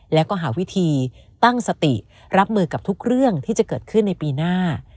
แล้วก็หาวิธีตั้งสติรับมือกับทุกเรื่องที่จะเกิดขึ้นในปีหน้า